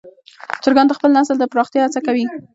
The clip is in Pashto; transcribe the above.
چرګان د خپل نسل د پراختیا هڅه کوي.